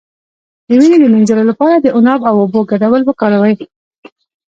د وینې د مینځلو لپاره د عناب او اوبو ګډول وکاروئ